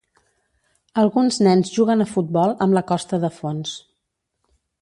Alguns nens juguen a futbol amb la costa de fons.